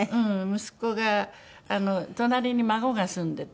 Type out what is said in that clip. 息子が隣に孫が住んでて。